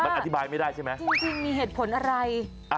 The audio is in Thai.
มันอธิบายไม่ได้ใช่ไหมจริงมีเหตุผลอะไร